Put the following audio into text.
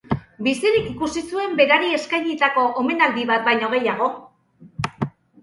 Bizirik ikusi zuen berari eskainitako omenaldi bat baino gehiago.